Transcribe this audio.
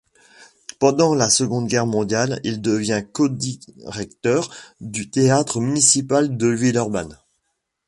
Pendant la Seconde Guerre mondiale il devient codirecteur du théâtre municipal de Villeurbanne.